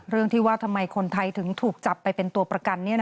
เรื่องที่ว่าทำไมคนไทยถึงถูกจับไปเป็นตัวประกัน